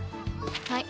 はい。